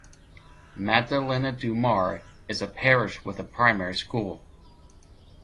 Madalena do Mar is a parish with a primary school.